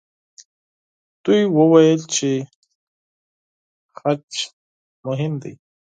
دوی وویل چې خج مهم دی.